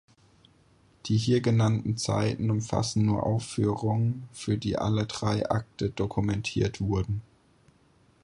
Die hier genannten Zeiten umfassen nur Aufführungen, für die alle drei Akte dokumentiert wurden.